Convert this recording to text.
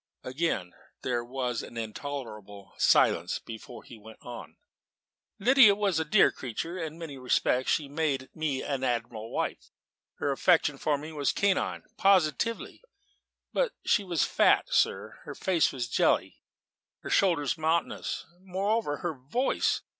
Again there was an intolerable silence before he went on. "Lydia was a dear creature: in many respects she made me an admirable wife. Her affection for me was canine positively. But she was fat, sir; her face a jelly, her shoulders mountainous. Moreover, her voice!